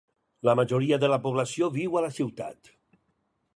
La majoria de la població viu a la ciutat.